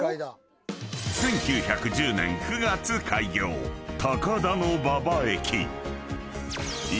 ［１９１０年９月開業高田馬場駅］